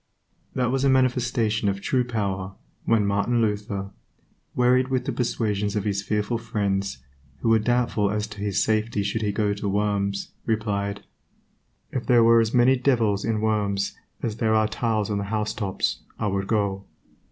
That was a manifestation of true power when Martin Luther, wearied with the persuasions of his fearful friends, who were doubtful as to his safety should he go to Worms, replied, "If there were as many devils in Worms as there are tiles on the housetops I would go."